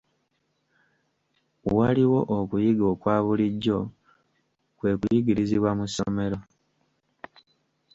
Waliwo okuyiga okwa bulijjo kwe kuyigirizibwa mu ssomero.